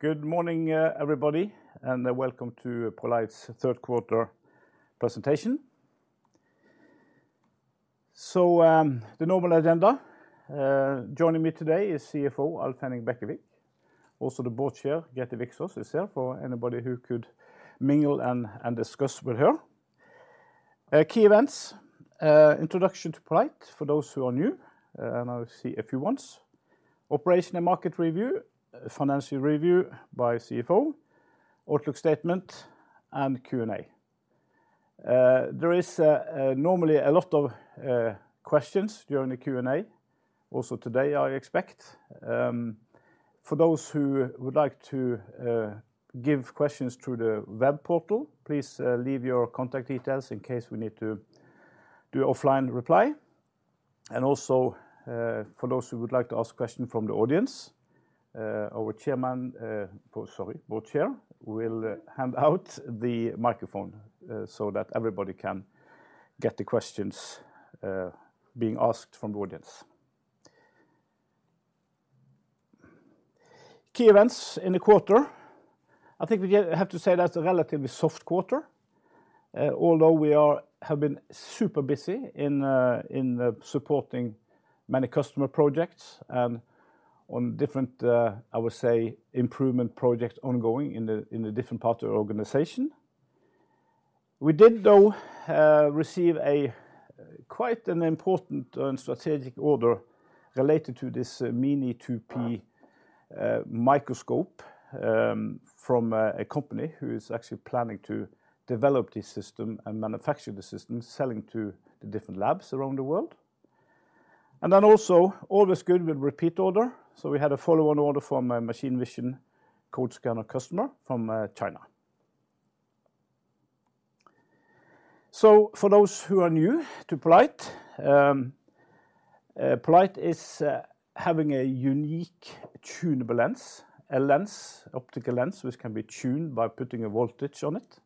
Good morning, everybody, and welcome to poLight's third quarter presentation. The normal agenda, joining me today is CFO Alf Henning Bekkevik. Also, the boardchair, Grethe Viksaas, is here for anybody who could mingle and discuss with her. Key events, introduction to poLight for those who are new, and I see a few ones. Operational and market review, financial review by CFO, outlook statement, and Q&A. There is normally a lot of questions during the Q&A, also today, I expect. For those who would like to give questions through the web portal, please leave your contact details in case we need to do offline reply. Also, for those who would like to ask question from the audience, our chairman, sorry, board chair, will hand out the microphone, so that everybody can get the questions being asked from the audience. Key events in the quarter. I think we have to say that's a relatively soft quarter, although we have been super busy in supporting many customer projects and on different, I would say, improvement projects ongoing in the different parts of the organization. We did, though, receive quite an important and strategic order related to this Mini2P microscope, from a company who is actually planning to develop this system and manufacture the system, selling to the different labs around the world. And then also, always good with repeat order, so we had a follow-on order from a machine vision code scanner customer from China. So for those who are new to poLight, poLight is having a unique tunable lens. A lens, optical lens, which can be tuned by putting a voltage on it.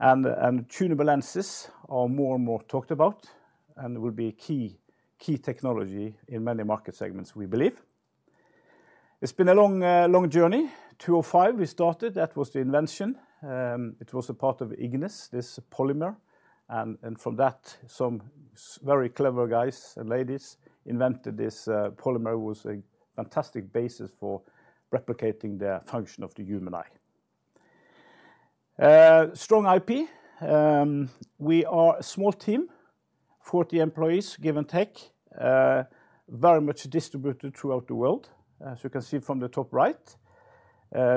And tunable lenses are more and more talked about, and will be key, key technology in many market segments, we believe. It's been a long, long journey. 2005, we started, that was the invention. It was a part of Ignis, this polymer, and from that, some very clever guys and ladies invented this. Polymer was a fantastic basis for replicating the function of the human eye. Strong IP. We are a small team, 40 employees, give and take. Very much distributed throughout the world. As you can see from the top right,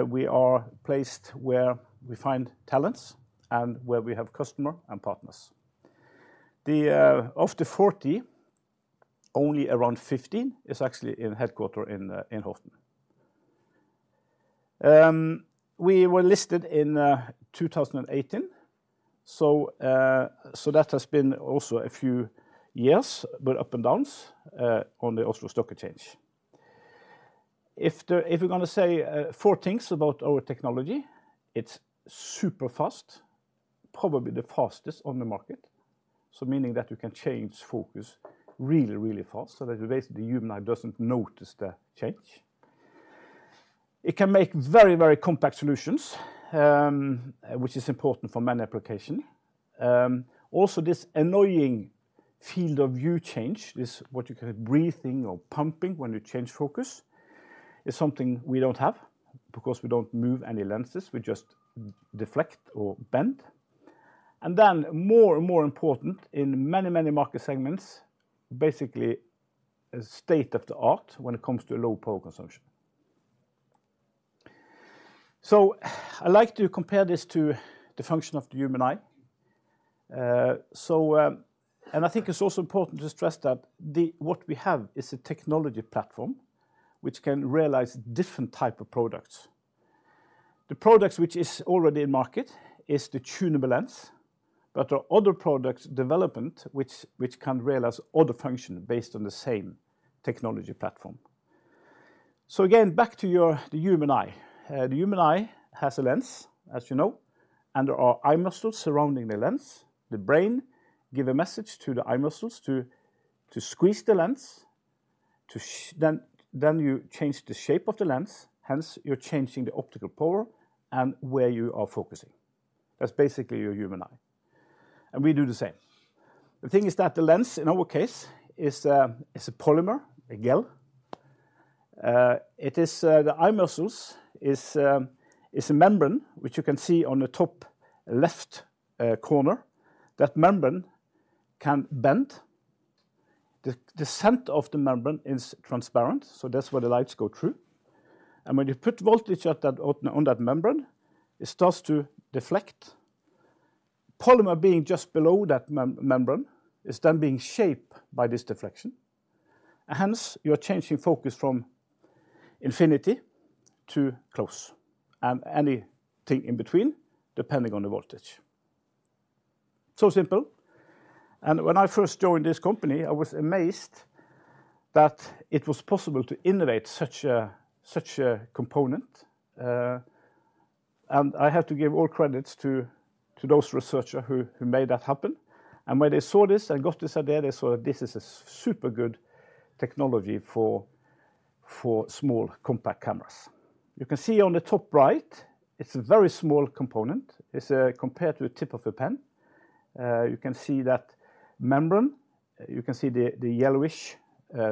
we are placed where we find talents and where we have customer and partners. Of the 40, only around 15 is actually in headquarters in Horten. We were listed in 2018, so that has been also a few years, but ups and downs on the Oslo Stock Exchange. If we're gonna say four things about our technology, it's super fast, probably the fastest on the market. So meaning that you can change focus really, really fast, so that basically the human eye doesn't notice the change. It can make very, very compact solutions, which is important for many application. Also, this annoying field of view change, this what you call breathing or pumping when you change focus, is something we don't have, because we don't move any lenses, we just deflect or bend. And then more and more important in many, many market segments, basically a state of the art when it comes to low power consumption. So I like to compare this to the function of the human eye. And I think it's also important to stress that what we have is a technology platform, which can realize different type of products. The products which is already in market is the tunable lens, but there are other products development which, which can realize other function based on the same technology platform. So again, back to your, the human eye. The human eye has a lens, as you know, and there are eye muscles surrounding the lens. The brain give a message to the eye muscles to squeeze the lens. Then you change the shape of the lens, hence you're changing the optical power and where you are focusing. That's basically your human eye, and we do the same. The thing is that the lens in our case is a polymer, a gel. It is the eye muscles is a membrane, which you can see on the top left corner. That membrane can bend. The center of the membrane is transparent, so that's where the lights go through. And when you put voltage on that membrane, it starts to deflect. Polymer being just below that membrane, is then being shaped by this deflection. Hence, you are changing focus from infinity to close, and anything in between, depending on the voltage. So simple. And when I first joined this company, I was amazed that it was possible to innovate such a, such a component, and I have to give all credits to those researcher who made that happen. And when they saw this and got this idea, they saw that this is a super good technology for small compact cameras. You can see on the top right, it's a very small component. It's compared to a tip of a pen. You can see that membrane, you can see the yellowish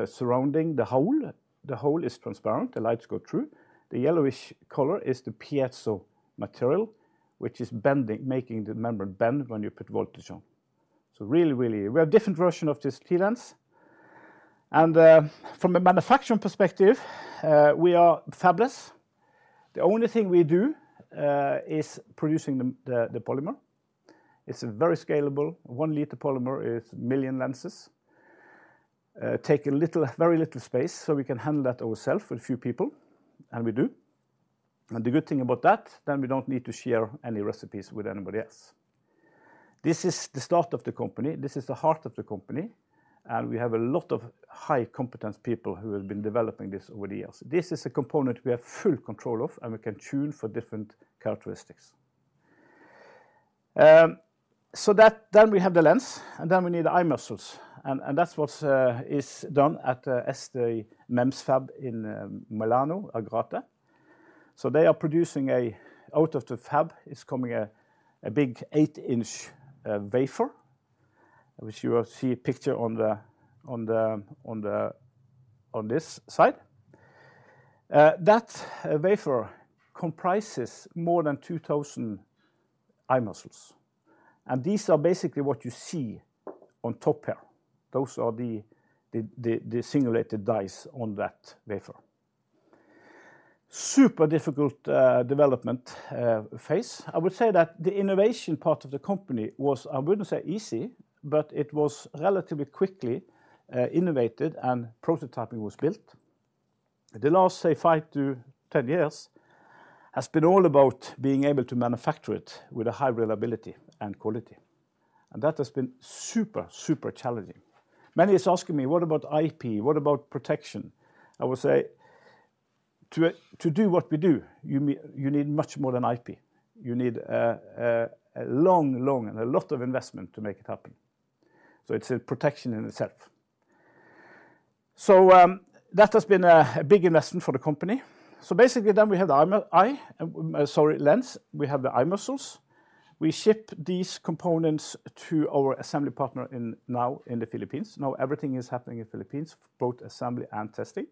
surrounding the hole. The hole is transparent, the lights go through. The yellowish color is the piezo material, which is bending, making the membrane bend when you put voltage on. So really, really we have different version of this TLens, and from a manufacturing perspective, we are fabless. The only thing we do is producing the polymer. It's very scalable. One liter polymer is 1 million lenses. It takes very little space, so we can handle that ourself with a few people, and we do. The good thing about that, then we don't need to share any recipes with anybody else. This is the start of the company, this is the heart of the company, and we have a lot of high competence people who have been developing this over the years. This is a component we have full control of, and we can tune for different characteristics. So that, then we have the lens, and then we need the eye muscles, and that's what is done at ST MEMS fab in Milano, Agrate Brianza. So they are producing a wafer. Out of the fab is coming a big eight-inch wafer, which you will see a picture on this side. That wafer comprises more than 2,000 eye muscles, and these are basically what you see on top here. Those are the singulated dies on that wafer. Super difficult development phase. I would say that the innovation part of the company was, I wouldn't say easy, but it was relatively quickly innovated and prototyping was built. The last five to 10 years has been all about being able to manufacture it with a high reliability and quality, and that has been super, super challenging. Many is asking me: What about IP? What about protection? I would say, to do what we do, you need much more than IP. You need a long, long, and a lot of investment to make it happen. So it's a protection in itself. So that has been a big investment for the company. So basically, then we have the MEMS, sorry, lens, we have the MEMS. We ship these components to our assembly partner now in the Philippines. Now everything is happening in the Philippines, both assembly and testing.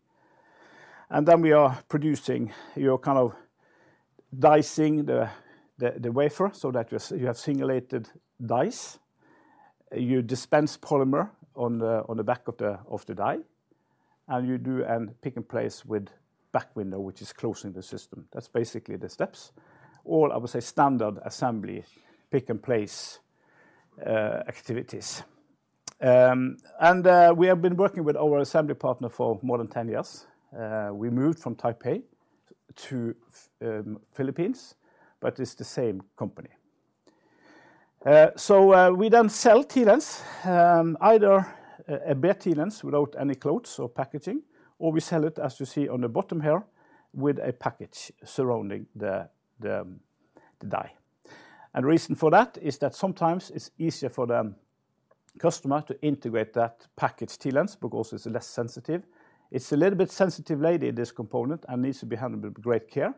And then we are producing. You're kind of dicing the wafer, so that you have singulated dice. You dispense polymer on the back of the die, and you do a pick and place with back window, which is closing the system. That's basically the steps. All, I would say, standard assembly, pick and place activities. We have been working with our assembly partner for more than 10 years. We moved from Taipei to Philippines, but it's the same company. We then sell TLens, either a bare TLens without any close or packaging, or we sell it, as you see on the bottom here, with a package surrounding the die. The reason for that is that sometimes it's easier for the customer to integrate that packaged TLens because it's less sensitive. It's a little bit sensitive lately, this component, and needs to be handled with great care,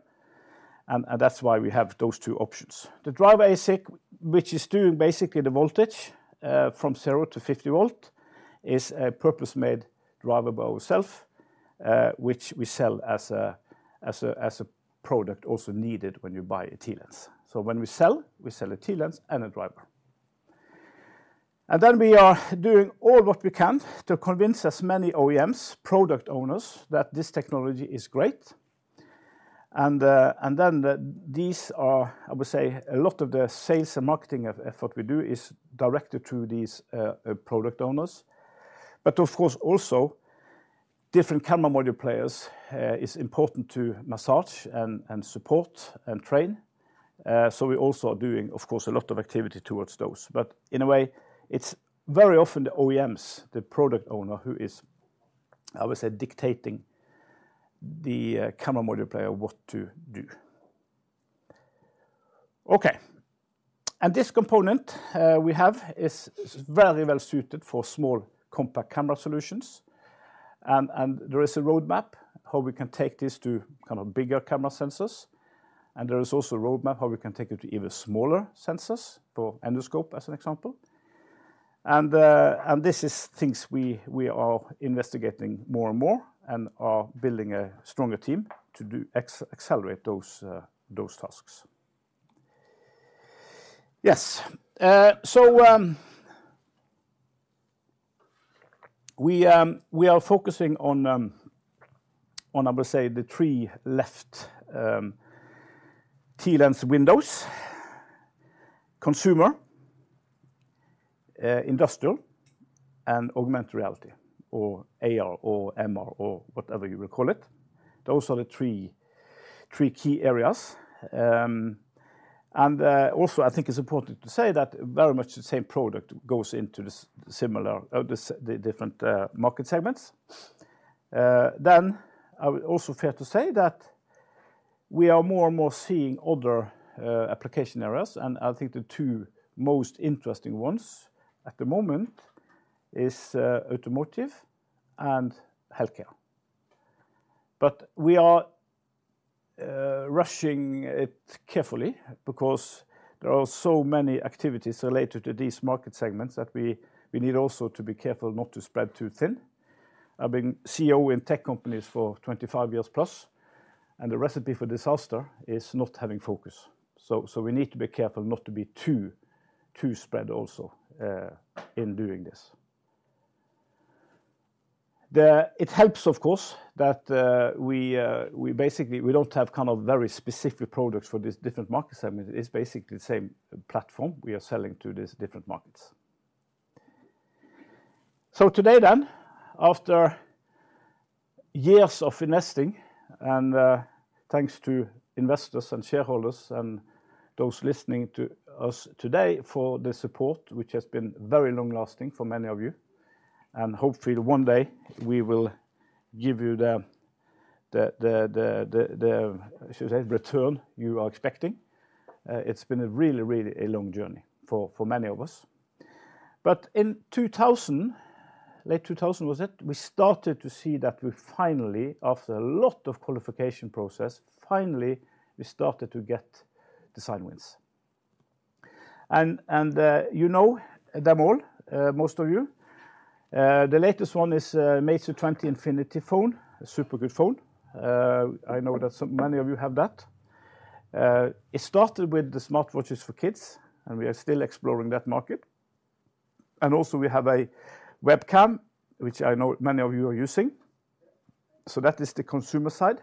and that's why we have those two options. The driver ASIC, which is doing basically the voltage from 0 V to 50 V, is a purpose-made driver by ourselves, which we sell as a product also needed when you buy a TLens. So when we sell, we sell a TLens and a driver. And then we are doing all what we can to convince as many OEMs, product owners, that this technology is great, and then these are, I would say, a lot of the sales and marketing effort we do is directed to these product owners. But of course, also different camera module players is important to massage and support and train. So we also are doing, of course, a lot of activity towards those. But in a way, it's very often the OEMs, the product owner, who is, I would say, dictating the camera module player what to do. Okay. And this component we have is very well-suited for small compact camera solutions. And there is a roadmap how we can take this to kind of bigger camera sensors, and there is also a roadmap how we can take it to even smaller sensors, for endoscope, as an example. And this is things we are investigating more and more, and are building a stronger team to do accelerate those tasks. Yes. We are focusing on the three left TLens windows: consumer, industrial, and augmented reality, or AR, or MR, or whatever you will call it. Those are the three key areas. And also I think it's important to say that very much the same product goes into the different market segments. I would also fair to say that we are more and more seeing other application areas, and I think the two most interesting ones at the moment is automotive and healthcare. But we are rushing it carefully because there are so many activities related to these market segments that we need also to be careful not to spread too thin. I've been CEO in tech companies for 25+ years, and the recipe for disaster is not having focus. So we need to be careful not to be too too spread also in doing this. It helps, of course, that we basically we don't have kind of very specific products for these different market segments. It's basically the same platform we are selling to these different markets. So today then, after years of investing, and thanks to investors and shareholders and those listening to us today for the support, which has been very long-lasting for many of you, and hopefully one day we will give you the the the the the the should I say return you are expecting. It's been a really really a long journey for many of us. But in 2000, late 2000 was it, we started to see that we finally, after a lot of qualification process, finally we started to get design wins. And you know them all, most of you. The latest one is Meizu 20 Infinity phone, a super good phone. I know that some, many of you have that. It started with the smartwatches for kids, and we are still exploring that market. And also we have a webcam, which I know many of you are using. So that is the consumer side.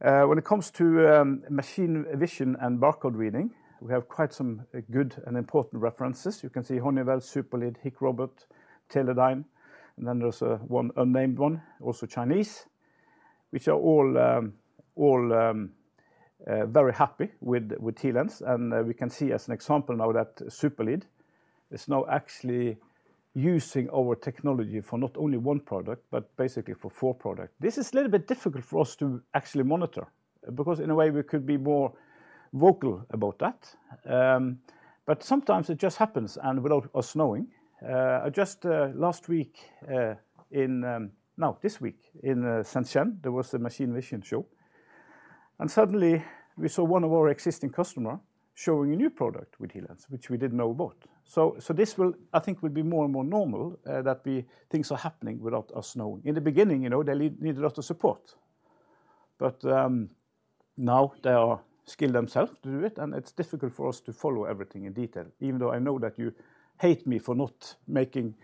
When it comes to machine vision and barcode reading, we have quite some good and important references. You can see Honeywell, SuperLead, Hikrobot, Teledyne, and then there's one unnamed one, also Chinese, which are all very happy with TLens. We can see as an example now that SuperLead is now actually using our technology for not only one product, but basically for four product. This is a little bit difficult for us to actually monitor, because in a way, we could be more vocal about that. But sometimes it just happens, and without us knowing. Just last week in Shenzhen, there was a machine vision show, and suddenly we saw one of our existing customer showing a new product with TLens, which we didn't know about. So this will, I think, be more and more normal, that we- things are happening without us knowing. In the beginning, you know, they need a lot of support, but now they are skilled themselves to do it, and it's difficult for us to follow everything in detail, even though I know that you hate me for not making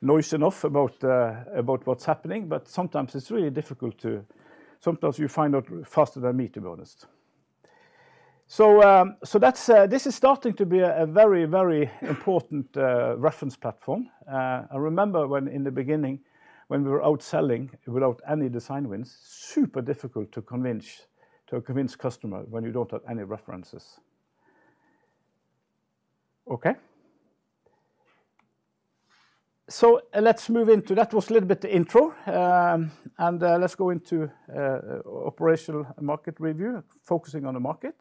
noise enough about about what's happening, but sometimes it's really difficult to. Sometimes you find out faster than me, to be honest. So that's this is starting to be a very, very important reference platform. I remember when in the beginning, when we were out selling without any design wins, super difficult to convince customer when you don't have any references. Okay. So let's move into that. That was a little bit the intro, and let's go into operational market review, focusing on the market.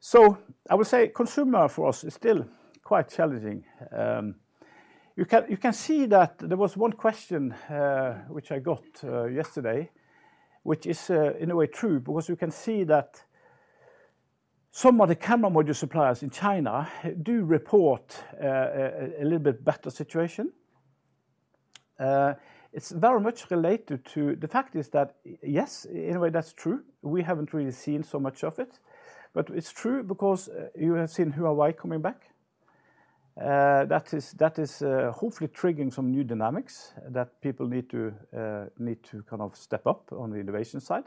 So I will say consumer for us is still quite challenging. You can see that there was one question which I got yesterday, which is in a way true, because you can see that some of the camera module suppliers in China do report a little bit better situation. It's very much related to the fact is that, yes, in a way, that's true. We haven't really seen so much of it, but it's true because you have seen Huawei coming back. That is hopefully triggering some new dynamics that people need to kind of step up on the innovation side.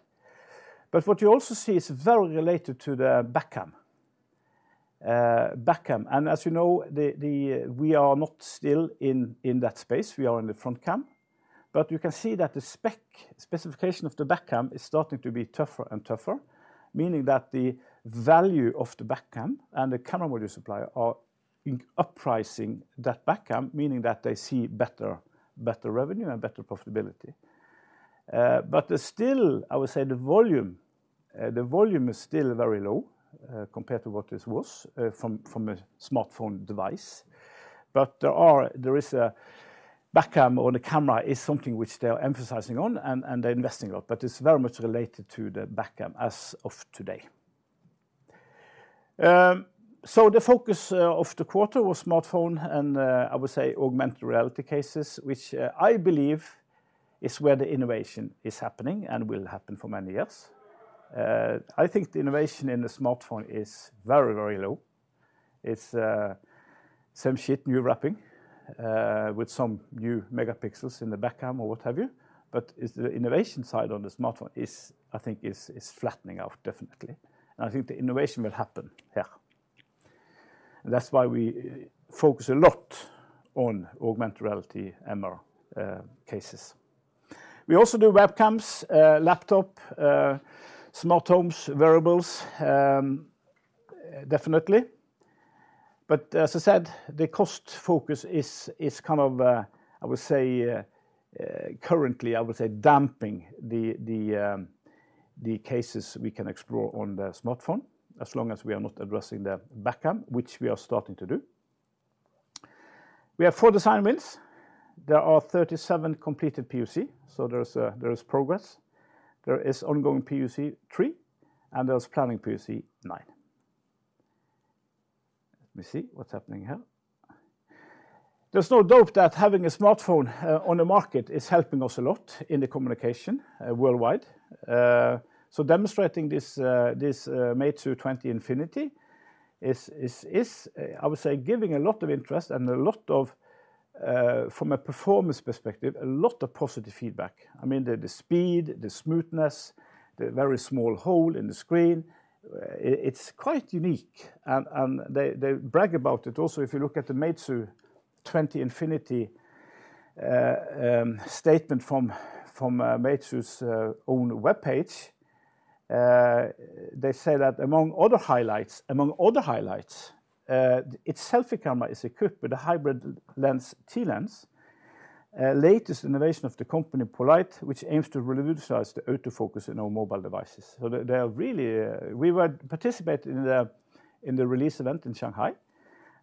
But what you also see is very related to the back cam. Back cam, and as you know, we are not still in that space, we are in the front cam, but you can see that the specification of the back cam is starting to be tougher and tougher, meaning that the value of the back cam and the camera module supplier are in uppricing that back cam, meaning that they see better revenue and better profitability. But still, I would say the volume is still very low compared to what it was from a smartphone device. But there is a back cam or the camera is something which they are emphasizing on and they're investing on, but it's very much related to the back cam as of today. So the focus of the quarter was smartphone and I would say augmented reality cases, which I believe is where the innovation is happening and will happen for many years. I think the innovation in the smartphone is very, very low. It's same shit, new wrapping with some new megapixels in the back cam or what have you, but the innovation side on the smartphone, I think, is flattening out, definitely. And I think the innovation will happen here... and that's why we focus a lot on augmented reality, MR cases. We also do webcams, laptop, smart homes, wearables, definitely. But as I said, the cost focus is, is kind of, I would say, currently, I would say damping the, the, the cases we can explore on the smartphone, as long as we are not addressing the back cam, which we are starting to do. We have four design wins. There are 37 completed PoC, so there is, there is progress. There is ongoing PoC three, and there's planning PoC nine. Let me see what's happening here. There's no doubt that having a smartphone, on the market is helping us a lot in the communication, worldwide. So demonstrating this, this, Meizu 20 Infinity is, is, is, I would say, giving a lot of interest and a lot of, from a performance perspective, a lot of positive feedback. I mean, the speed, the smoothness, the very small hole in the screen, it's quite unique, and they brag about it. Also, if you look at the Meizu 20 Infinity, statement from Meizu's own webpage, they say that among other highlights, among other highlights, "Its selfie camera is equipped with a hybrid lens, TLens, latest innovation of the company poLight, which aims to revolutionize the autofocus in our mobile devices." So they are really... We were participating in the release event in Shanghai,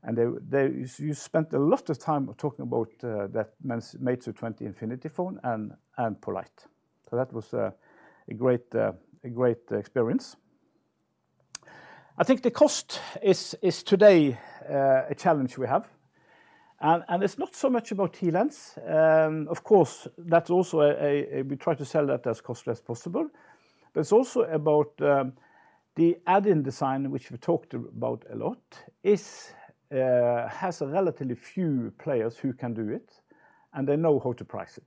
and they, you spent a lot of time talking about that Meizu 20 Infinity phone and poLight. So that was a great experience. I think the cost is today a challenge we have, and it's not so much about TLens. Of course, that's also a we try to sell that as cost as possible. But it's also about the add-in design, which we talked about a lot, has a relatively few players who can do it, and they know how to price it.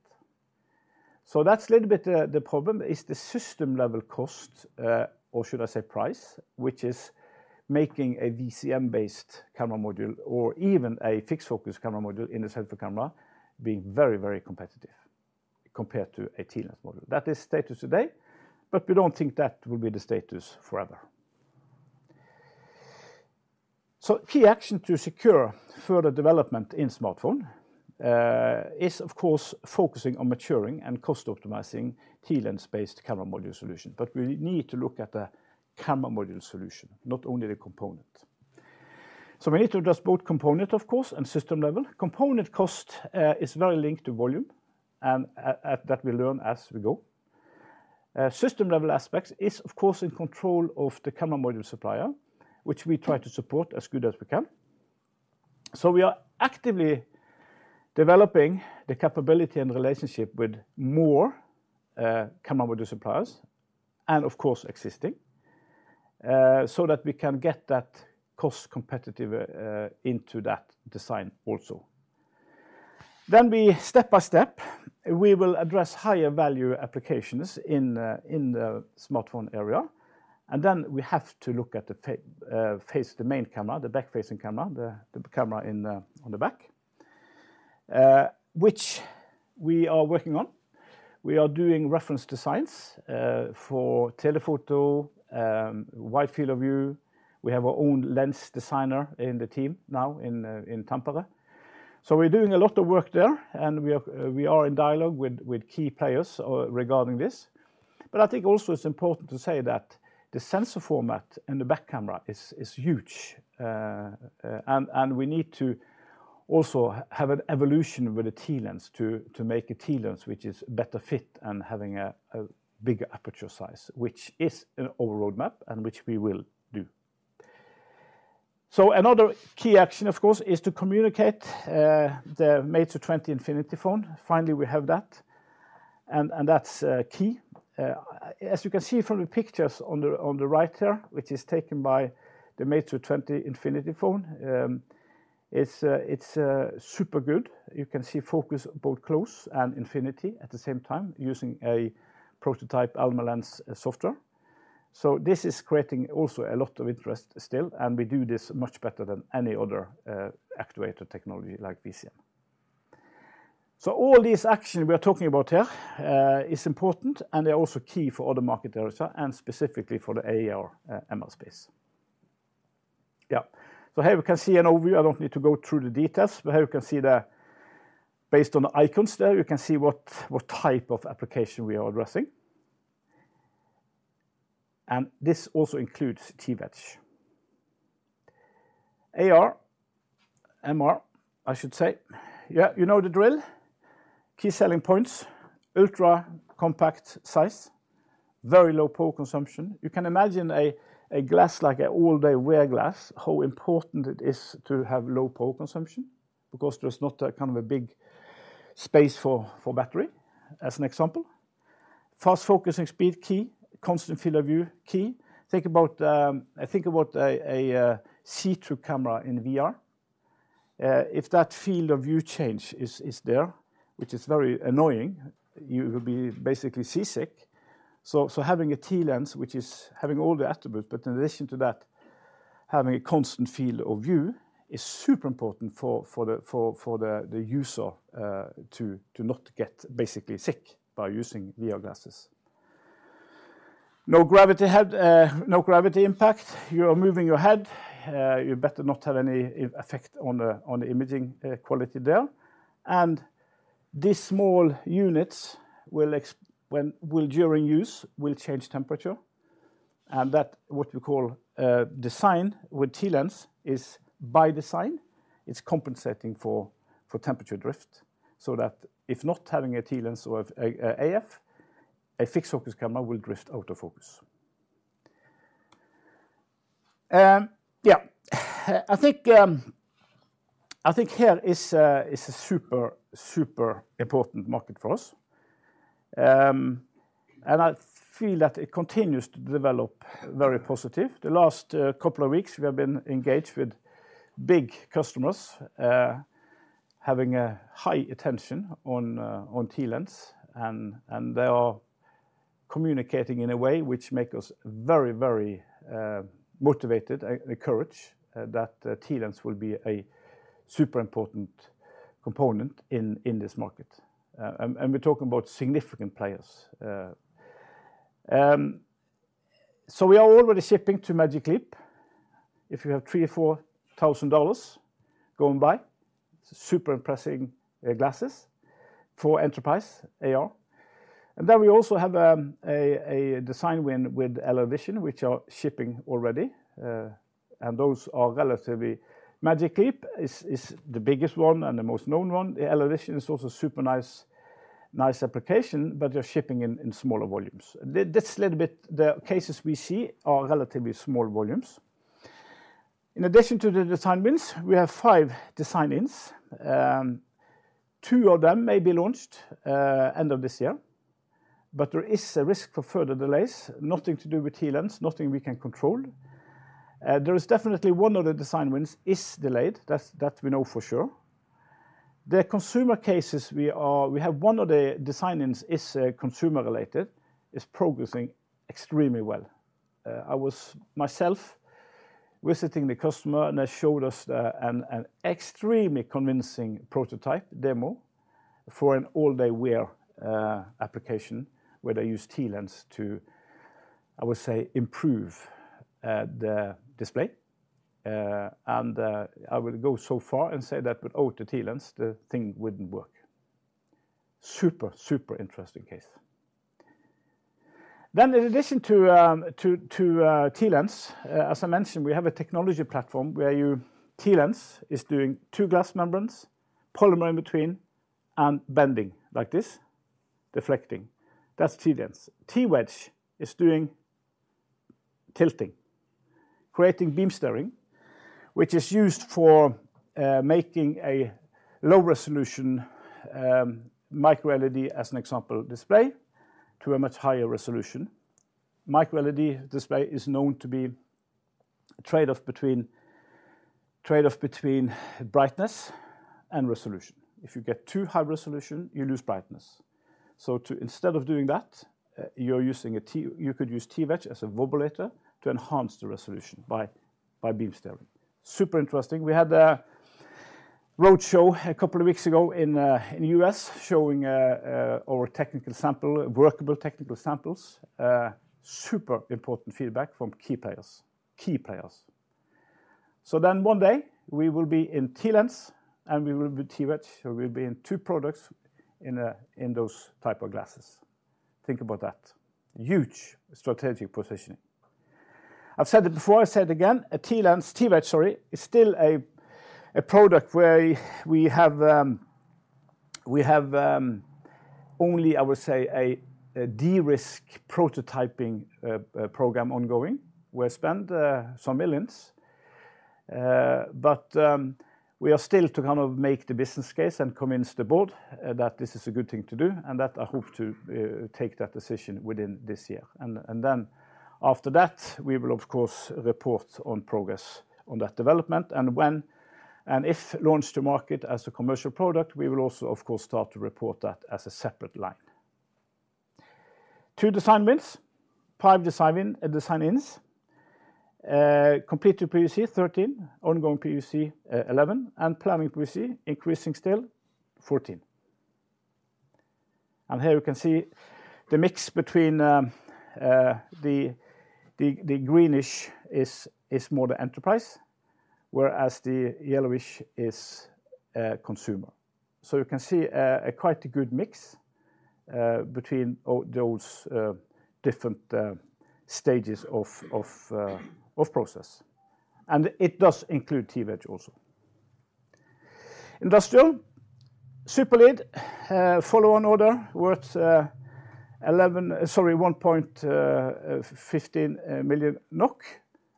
So that's a little bit the problem is the system-level cost, or should I say price, which is making a VCM-based camera module or even a fixed-focus camera module in a selfie camera, being very, very competitive compared to a TLens module. That is status today, but we don't think that will be the status forever. So, key action to secure further development in smartphone is, of course, focusing on maturing and cost-optimizing TLens-based camera module solution. But we need to look at the camera module solution, not only the component. So we need to address both component, of course, and system level. Component cost is very linked to volume, and that we learn as we go. System-level aspects is, of course, in control of the camera module supplier, which we try to support as good as we can. So we are actively developing the capability and relationship with more camera module suppliers, and of course, existing, so that we can get that cost-competitive into that design also. Then we step by step, we will address higher value applications in the smartphone area, and then we have to look at the face, the main camera, the back-facing camera, the camera on the back, which we are working on. We are doing reference designs for telephoto, wide field of view. We have our own lens designer in the team now in Tampere. So we're doing a lot of work there, and we are in dialogue with key players regarding this. But I think also it's important to say that the sensor format in the back camera is huge, and we need to also have an evolution with the TLens to make a TLens, which is a better fit and having a bigger aperture size, which is in our roadmap and which we will do. So another key action, of course, is to communicate the Meizu 20 Infinity phone. Finally, we have that, and that's key. As you can see from the pictures on the right here, which is taken by the Meizu 20 Infinity phone, it's super good. You can see focus both close and infinity at the same time using a prototype Almalence software. So this is creating also a lot of interest still, and we do this much better than any other actuator technology like VCM. So all these action we are talking about here is important, and they're also key for other market areas and specifically for the AR, MR space. Yeah. So here we can see an overview. I don't need to go through the details, but here you can see, based on the icons there, you can see what type of application we are addressing, and this also includes TWedge. AR, MR, I should say. Yeah, you know the drill. Key selling points, ultra compact size, very low power consumption. You can imagine a glass, like an all-day wear glass, how important it is to have low power consumption because there's not a kind of a big space for battery, as an example. Fast focusing speed, key. Constant field of view, key. Think about, think about a, a, see-through camera in VR... if that field of view change is there, which is very annoying, you will be basically seasick. So, having a TLens, which is having all the attributes, but in addition to that, having a constant field of view is super important for the user to not get basically sick by using VR glasses. No gravity head, no gravity impact. You are moving your head, you better not have any effect on the imaging quality there. And these small units will during use change temperature, and that's what we call design with TLens is by design; it's compensating for temperature drift, so that if not having a TLens or a AF, a fixed focus camera will drift out of focus. Yeah, I think here is a super important market for us. And I feel that it continues to develop very positive. The last couple of weeks, we have been engaged with big customers having a high attention on TLens, and they are communicating in a way which make us very very motivated and encouraged that TLens will be a super important component in this market. And we're talking about significant players. So we are already shipping to Magic Leap. If you have $3,000 or $4,000, go and buy. It's super impressive glasses for enterprise AR. And then we also have a design win with LLVision, which are shipping already, and those are relatively... Magic Leap is the biggest one and the most known one. The LLVision is also super nice, nice application, but they're shipping in smaller volumes. That's a little bit the cases we see are relatively small volumes. In addition to the design wins, we have five design-ins. Two of them may be launched end of this year, but there is a risk for further delays. Nothing to do with TLens, nothing we can control. There is definitely one of the design wins is delayed. That's that we know for sure. The consumer cases we have one of the design wins is consumer-related is progressing extremely well. I was myself visiting the customer, and they showed us an extremely convincing prototype demo for an all-day wear application, where they use TLens to, I would say, improve the display. And I will go so far and say that without the TLens, the thing wouldn't work. Super, super interesting case. Then, in addition to TLens, as I mentioned, we have a technology platform where you TLens is doing two glass membranes, polymer in between, and bending like this, deflecting. That's TLens. TWedge is doing tilting, creating beam steering, which is used for making a low-resolution MicroLED, as an example, display to a much higher resolution. MicroLED display is known to be trade-off between, trade-off between brightness and resolution. If you get too high resolution, you lose brightness. So instead of doing that, you're using a T-- you could use TWedge as a Wobulator to enhance the resolution by, by beam steering. Super interesting. We had a roadshow a couple of weeks ago in, in the U.S., showing, our technical sample, workable technical samples. Super important feedback from key players. Key players. So then one day we will be in TLens and we will be TWedge, so we'll be in two products in those type of glasses. Think about that. Huge strategic positioning. I've said it before, I say it again, a TLens, TWedge, sorry, is still a product where we have only, I would say, a de-risk prototyping program ongoing. We've spent some millions, but we are still to kind of make the business case and convince the board that this is a good thing to do, and that I hope to take that decision within this year. And then after that, we will of course report on progress on that development, and when and if launch to market as a commercial product, we will also, of course, start to report that as a separate line. Two design wins, five design-ins. Completed PoC, 13, ongoing PoC, 11, and planning PoC, increasing still, 14. And here you can see the mix between the greenish is more the enterprise, whereas the yellowish is consumer. So you can see a quite good mix between all those different stages of process. And it does include TWedge also. Industrial. SuperLead follow-on order worth 1.15 million NOK,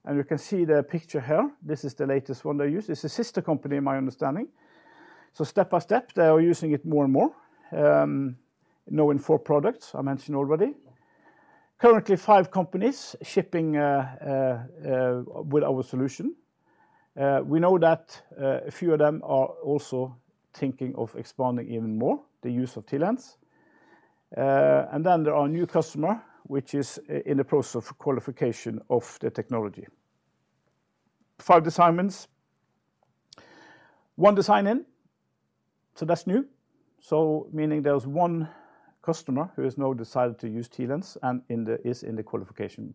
and you can see the picture here. This is the latest one they use. It's a sister company, in my understanding. So step by step, they are using it more and more. Now in four products, I mentioned already. Currently, five companies shipping with our solution. We know that a few of them are also thinking of expanding even more, the use of TLens. And then there are new customer, which is in the process of qualification of the technology. Five design wins, one design in, so that's new. So meaning there's 1 customer who has now decided to use TLens, and is in the qualification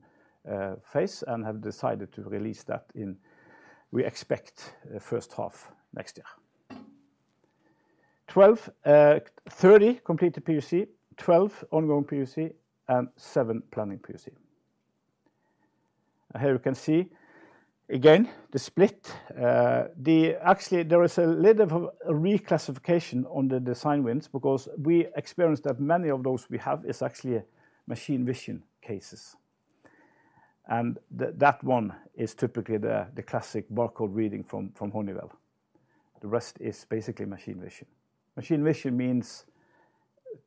phase, and have decided to release that in, we expect, first half next year. 12, 30 completed PoC, 12 ongoing PoC, and 7 planning PoC. And here you can see, again, the split. Actually, there is a little of a reclassification on the design wins because we experienced that many of those we have is actually machine vision cases, and that one is typically the classic barcode reading from Honeywell. The rest is basically machine vision. Machine vision means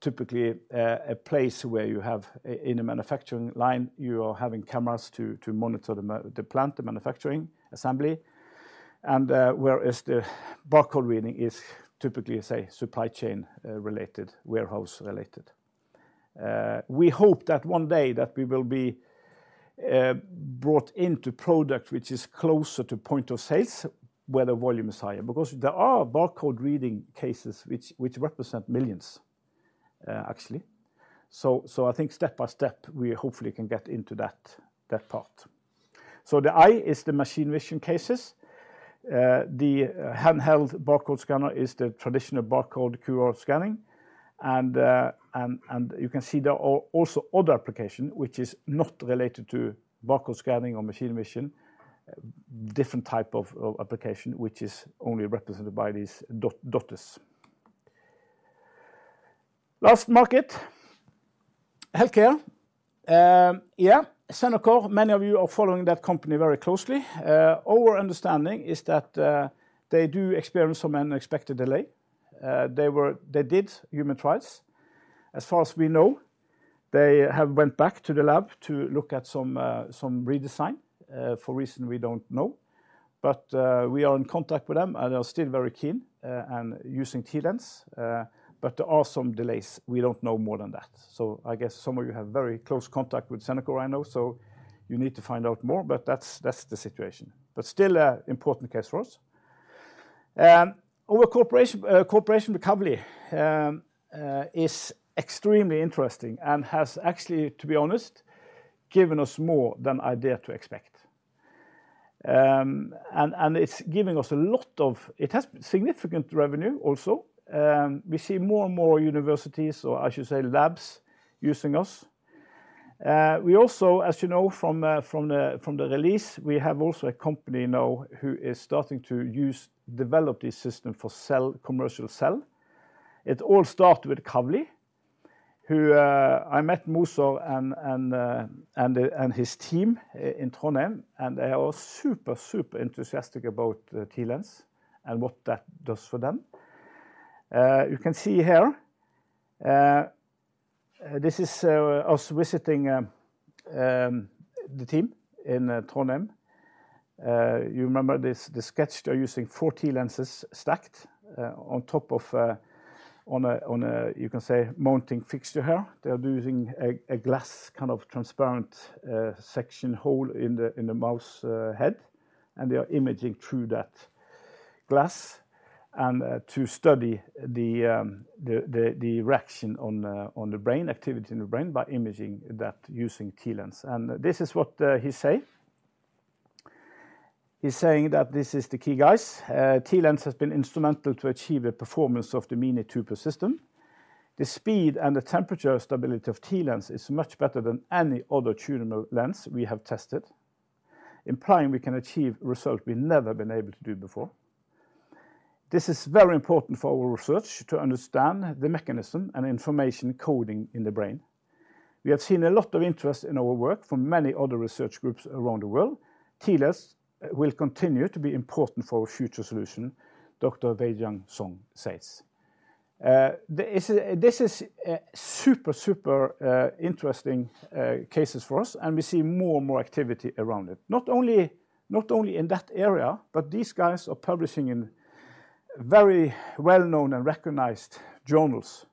typically a place where you have in a manufacturing line, you are having cameras to monitor the plant, the manufacturing assembly, and whereas the barcode reading is typically, say, supply chain related, warehouse related. We hope that one day that we will be brought into product which is closer to point of sales, where the volume is higher. Because there are barcode reading cases which represent millions, actually. So I think step by step, we hopefully can get into that part. So the eye is the machine vision cases. The handheld barcode scanner is the traditional barcode QR scanning, and you can see there are also other application, which is not related to barcode scanning or machine vision, different type of application, which is only represented by these two dots. Last market, healthcare. Yeah, Xenocor, many of you are following that company very closely. Our understanding is that they do experience some unexpected delay. They were— They did human trials. As far as we know, they have went back to the lab to look at some redesign for reason we don't know. But we are in contact with them, and they are still very keen and using TLens, but there are some delays. We don't know more than that. So I guess some of you have very close contact with Xenocor right now, so you need to find out more, but that's the situation. But still, an important case for us. Our cooperation with Kavli is extremely interesting and has actually, to be honest, given us more than I dared to expect. And it's giving us a lot of... It has significant revenue also. We see more and more universities, or I should say, labs using us. We also, as you know, from the release, have a company now who is starting to use and develop this system for cell, commercial cell. It all started with Kavli, who I met Moser and his team in Trondheim, and they are all super, super enthusiastic about the TLens and what that does for them. You can see here, this is us visiting the team in Trondheim. You remember this, the sketch. They're using four TLenses stacked on top of a, you can say, mounting fixture here. They're using a glass, kind of transparent, section hole in the mouse head, and they are imaging through that glass and to study the reaction on the brain, activity in the brain, by imaging that using TLens. And this is what he say. He's saying that, "This is the key, guys. TLens has been instrumental to achieve the performance of the Mini2P system. The speed and the temperature stability of TLens is much better than any other tunable lens we have tested, implying we can achieve result we've never been able to do before. This is very important for our research to understand the mechanism and information coding in the brain. We have seen a lot of interest in our work from many other research groups around the world. TLens will continue to be important for our future solution," Dr. Weijian Zong says. This is super, super interesting cases for us, and we see more and more activity around it. Not only in that area, but these guys are publishing in very well-known and recognized journals,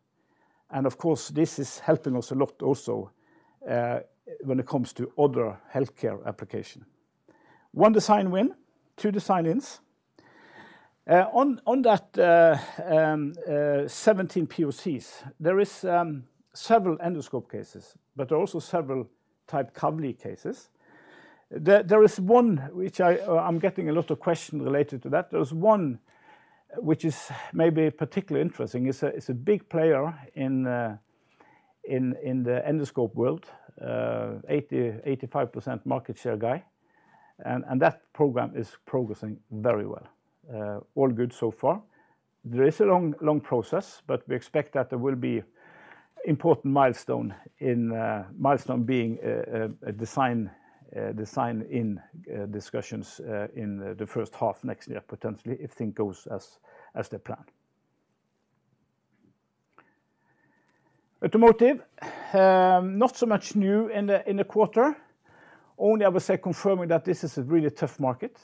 and of course, this is helping us a lot also when it comes to other healthcare application. One design win, two design ins. On that, 17 PoCs, there is several endoscope cases, but also several type Kavli cases. There is one which I'm getting a lot of questions related to that. There is one which is maybe particularly interesting. It's a big player in the endoscope world, 85% market share guy, and that program is progressing very well. All good so far. There is a long process, but we expect that there will be important milestone in being a design-in discussions in the first half next year, potentially, if things goes as the plan. Automotive, not so much new in the quarter. Only I would say confirming that this is a really tough market,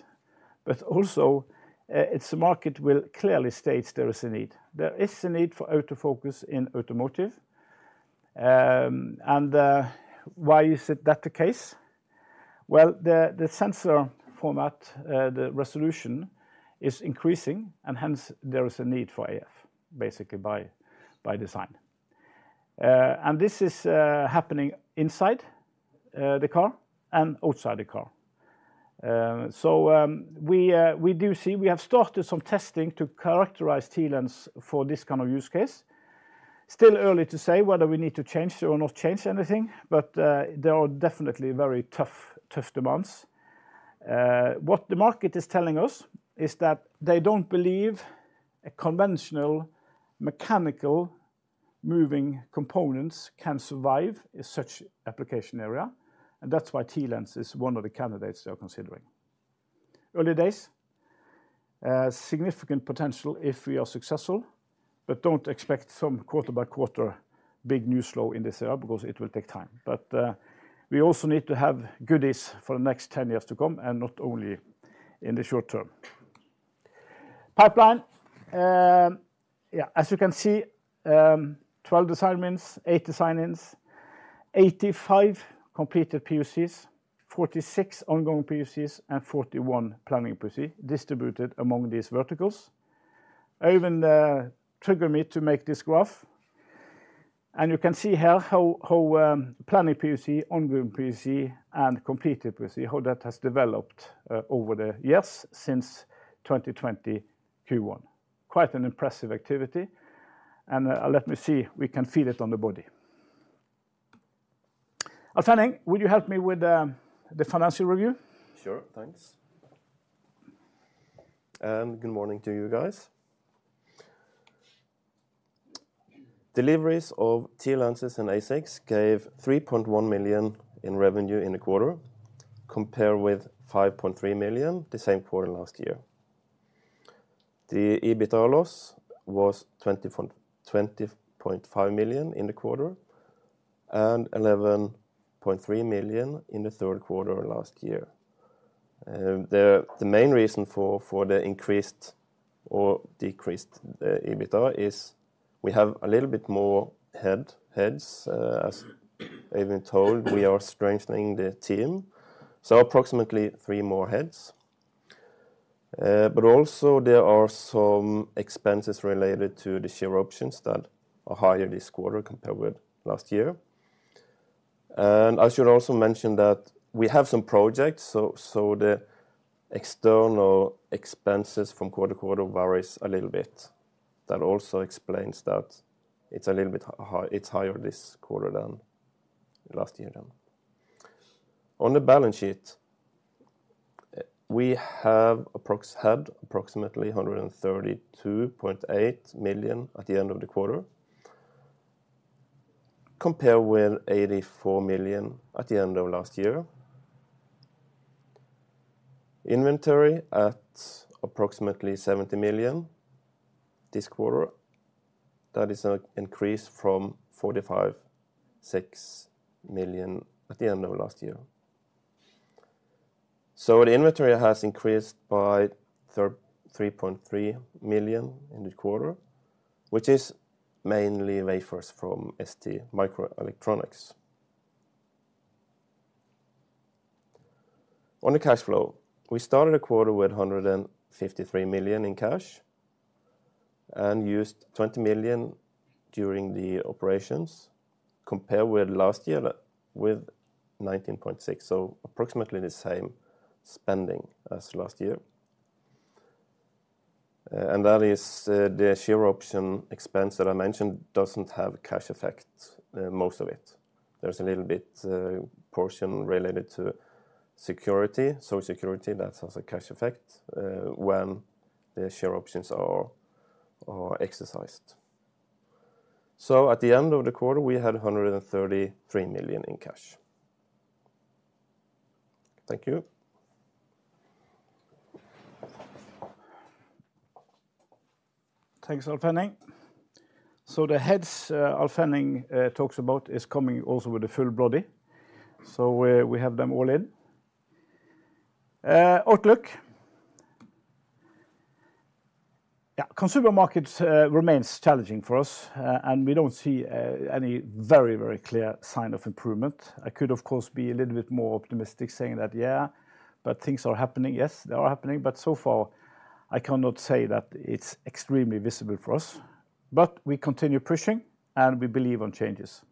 but also, it's a market will clearly state there is a need. There is a need for auto focus in automotive. And why is it that the case? Well, the sensor format, the resolution is increasing, and hence there is a need for AF, basically by design. And this is happening inside the car and outside the car. So, we have started some testing to characterize TLens for this kind of use case. Still early to say whether we need to change or not change anything, but there are definitely very tough, tough demands. What the market is telling us is that they don't believe a conventional, mechanical, moving components can survive in such application area, and that's why TLens is one of the candidates they are considering. Early days, significant potential if we are successful, but don't expect some quarter by quarter big news flow in this area because it will take time. But we also need to have goodies for the next 10 years to come, and not only in the short term. Pipeline. Yeah, as you can see, 12 design wins, eight design-ins, 85 completed PoCs, 46 ongoing PoCs, and 41 planning PoC distributed among these verticals. Even the trigger me to make this graph. You can see here planning PoC, ongoing PoC, and completed PoC, how that has developed over the years since 2020 Q1. Quite an impressive activity, and let me see. We can feel it on the body. Alf Henning, would you help me with the financial review? Sure. Thanks. And good morning to you guys. Deliveries of TLenses and ASICs gave 3.1 million in revenue in the quarter, compared with 5.3 million the same quarter last year. The EBITDA loss was 20.5 million in the quarter, and 11.3 million in the third quarter of last year. The main reason for the increased or decreased EBITDA is we have a little bit more heads. As Alf told, we are strengthening the team, so approximately three more heads. But also there are some expenses related to the share options that are higher this quarter compared with last year. And I should also mention that we have some projects, so the external expenses from quarter to quarter varies a little bit. That also explains that it's a little bit higher this quarter than last year then. On the balance sheet, we had approximately 132.8 million at the end of the quarter, compare with 84 million at the end of last year. Inventory at approximately 70 million this quarter. That is an increase from 46 million at the end of last year. So the inventory has increased by 3.3 million in the quarter, which is mainly wafers from STMicroelectronics. On the cash flow, we started the quarter with 153 million in cash and used 20 million during the operations, compared with last year, with 19.6 million, so approximately the same spending as last year. And that is, the share option expense that I mentioned doesn't have a cash effect, most of it. There's a little bit portion related to security, social security, that has a cash effect when the share options are exercised. So at the end of the quarter, we had 133 million in cash. Thank you. Thanks, Alf Henning. So the heads, Alf Henning, talks about is coming also with the full body. So we, we have them all in. Outlook. Yeah, consumer market remains challenging for us, and we don't see any very, very clear sign of improvement. I could, of course, be a little bit more optimistic saying that, "Yeah, but things are happening." Yes, they are happening, but so far, I cannot say that it's extremely visible for us. But we continue pushing, and we believe on changes.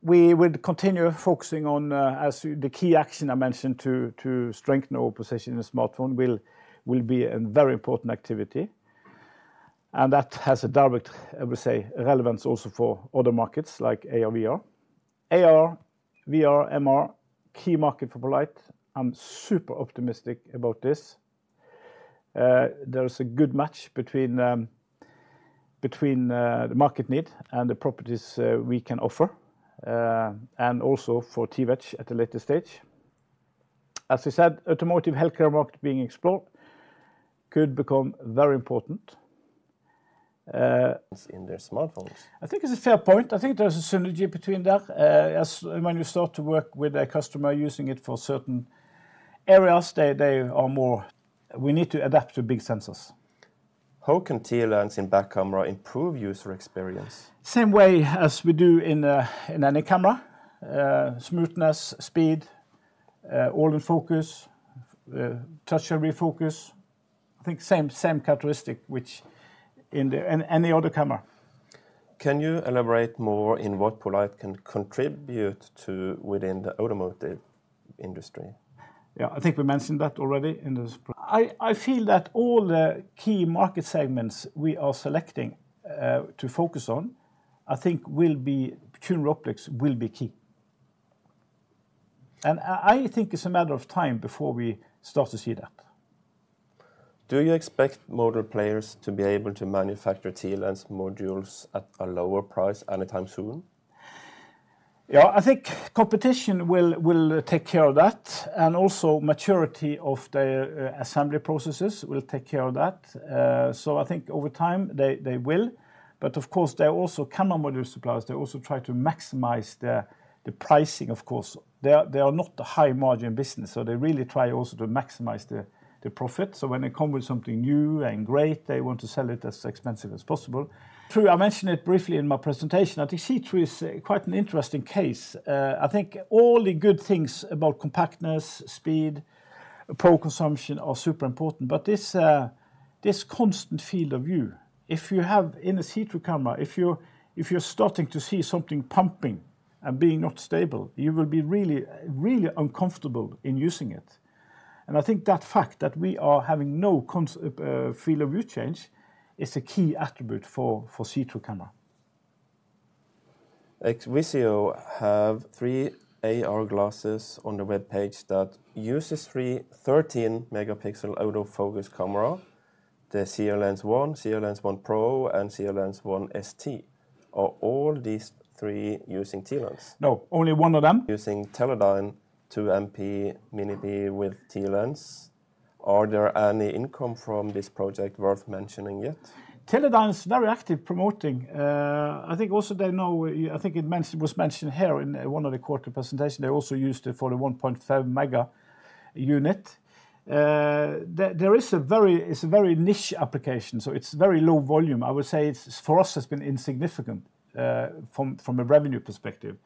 We will continue focusing on, as the key action I mentioned to, to strengthen our position in smartphone will, will be a very important activity, and that has a direct, I would say, relevance also for other markets like AR/VR. AR, VR, MR, key market for poLight. I'm super optimistic about this. There is a good match between the market need and the properties we can offer, and also for TWedge at a later stage. As I said, automotive healthcare market being explored could become very important. in their smartphones. I think it's a fair point. I think there's a synergy between that. As when you start to work with a customer using it for certain areas, they are more - we need to adapt to big sensors. How can TLens in back camera improve user experience? Same way as we do in, in any camera. Smoothness, speed, auto focus, touch to refocus. I think same, same characteristic which in the any, any other camera. Can you elaborate more in what poLight can contribute to within the automotive industry? Yeah, I think we mentioned that already in this. I feel that all the key market segments we are selecting to focus on, I think tunable optics will be key. And I think it's a matter of time before we start to see that. Do you expect motor players to be able to manufacture TLens modules at a lower price anytime soon? Yeah, I think competition will, will take care of that, and also maturity of the assembly processes will take care of that. So I think over time, they, they will, but of course, they also camera module suppliers, they also try to maximize the, the pricing, of course. They are, they are not a high-margin business, so they really try also to maximize the, the profit. So when they come with something new and great, they want to sell it as expensive as possible. True, I mentioned it briefly in my presentation, I think see-through is quite an interesting case. I think all the good things about compactness, speed, power consumption are super important, but this, this constant field of view, if you have in a see-through camera, if you're, if you're starting to see something pumping and being not stable, you will be really, really uncomfortable in using it. And I think that fact that we are having no constant field of view change is a key attribute for, for see-through camera. Xvisio has three AR glasses on the web page that uses three 13-megapixel autofocus cameras, the SeerLens One, SeerLens One Pro, and SeerLens One ST. Are all these three using TLens? No, only one of them. Using Teledyne 2MP Mini2P with TLens. Are there any income from this project worth mentioning yet? Teledyne is very active promoting. I think also they know, I think it was mentioned here in one of the quarter presentation, they also used it for the 1.5 mega unit. There is a very, it's a very niche application, so it's very low volume. I would say it's, for us, has been insignificant, from a revenue perspective.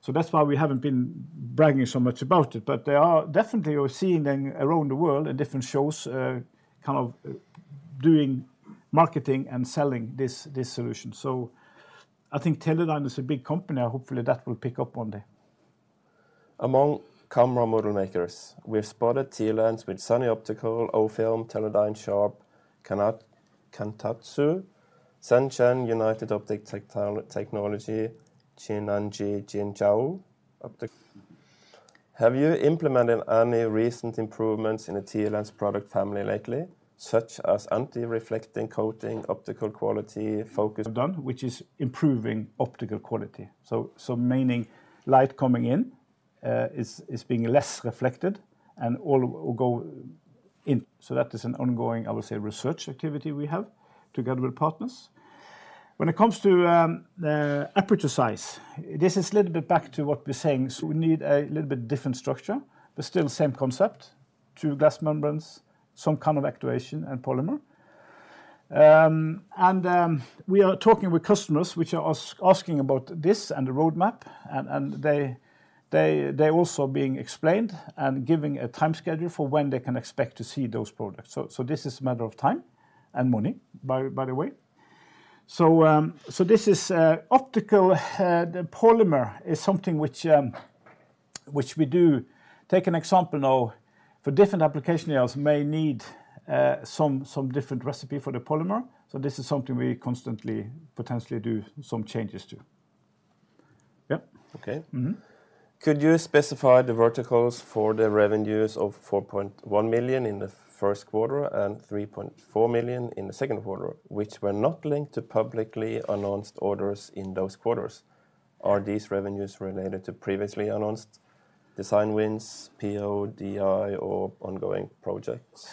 So that's why we haven't been bragging so much about it. But they are definitely, we're seeing them around the world in different shows, kind of doing marketing and selling this, this solution. So I think Teledyne is a big company, and hopefully that will pick up one day. Among camera module makers, we've spotted TLens with Sunny Optical, OFILM, Teledyne, Sharp, Kantatsu, Sanchen, Union Optech, Q Technology, Jinzhou. Have you implemented any recent improvements in the TLens product family lately, such as anti-reflecting coating, optical quality, focus- Done, which is improving optical quality. So meaning light coming in is being less reflected and all go in. So that is an ongoing, I would say, research activity we have together with partners. When it comes to the aperture size, this is a little bit back to what we're saying. So we need a little bit different structure, but still same concept: two glass membranes, some kind of actuation, and polymer. And we are talking with customers which are asking about this and the roadmap, and they also being explained and giving a time schedule for when they can expect to see those products. So this is a matter of time, and money, by the way. So this is optical polymer is something which we do. Take an example now, for different application areas may need some different recipe for the polymer, so this is something we constantly potentially do some changes to. Yeah. Okay. Mm-hmm. Could you specify the verticals for the revenues of 4.1 million in the first quarter and 3.4 million in the second quarter, which were not linked to publicly announced orders in those quarters? Are these revenues related to previously announced design wins, PO, DI, or ongoing projects?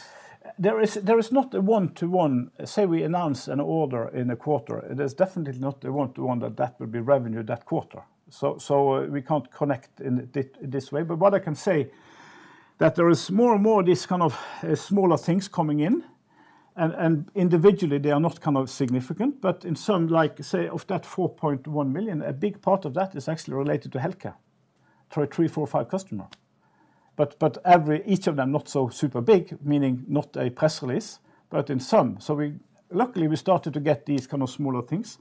There is not a one-to-one. Say we announce an order in a quarter, it is definitely not a one-to-one that that will be revenue that quarter. So we can't connect in this way. But what I can say, that there is more and more of these kind of smaller things coming in, and individually, they are not kind of significant, but in some, like, say, of that 4.1 million, a big part of that is actually related to healthcare, through a three, four, five customer. But every, each of them not so super big, meaning not a press release, but in some. So we luckily started to get these kind of smaller things.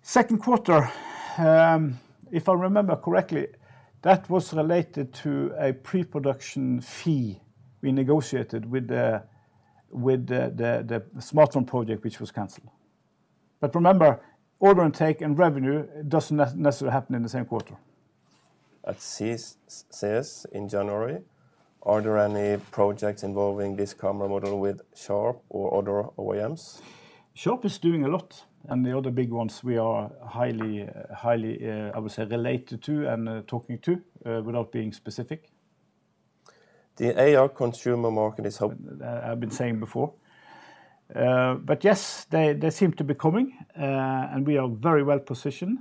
Second quarter, if I remember correctly, that was related to a pre-production fee we negotiated with the smartphone project, which was canceled. But remember, order intake and revenue doesn't necessarily happen in the same quarter. At CES in January, are there any projects involving this camera model with Sharp or other OEMs? Sharp is doing a lot, and the other big ones we are highly, highly, I would say, related to and, talking to, without being specific. The AR consumer market is how- I've been saying before. But yes, they, they seem to be coming, and we are very well positioned.